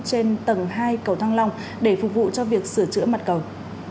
trên tầng hai cầu thăng long để phục vụ cho việc sửa chữa mặt cầu